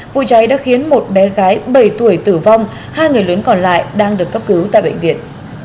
vụ cháy đã khiến một bé gái bảy tuổi tử vong hai người lớn còn lại đang được cấp cứu tại bệnh viện